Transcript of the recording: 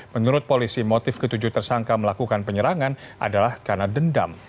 menurut polisi motif ketujuh tersangka melakukan penyerangan adalah karena dendam